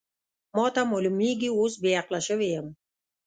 ما ته معلومېږي اوس بې عقله شوې یم.